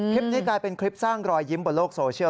คลิปนี้กลายเป็นคลิปสร้างรอยยิ้มบนโลกโซเชียล